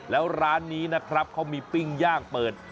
แล้วร้านนี้นะครับเขามีปิ้งย่างเปิด